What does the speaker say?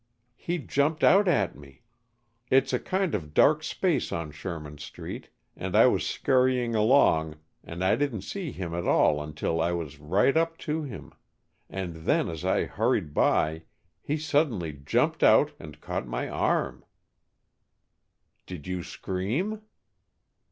"He jumped out at me. It's a kind of dark place on Sherman Street, and I was scurrying along and I didn't see him at all until I was right up to him, and then as I hurried by he suddenly jumped out and caught my arm." "Did you scream?"